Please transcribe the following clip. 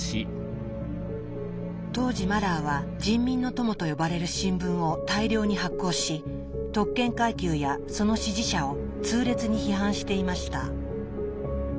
当時マラーは「人民の友」と呼ばれる新聞を大量に発行し特権階級やその支持者を痛烈に批判していました。